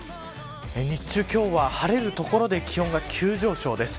日中、今日は晴れる所で気温が急上昇です。